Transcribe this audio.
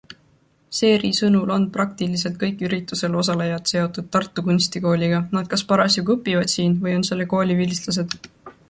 Seeri sõnul on praktiliselt kõik üritusel osalejad seotud Tartu Kunstikooliga - nad kas parasjagu õpivad siin või on selle kooli vilistlased.